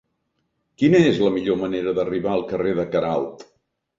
Quina és la millor manera d'arribar al carrer de Queralt?